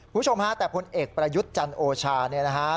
คุณผู้ชมฮะแต่พลเอกประยุทธ์จันโอชาเนี่ยนะฮะ